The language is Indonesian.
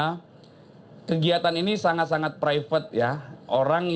karena kegiatan ini sangat sangat private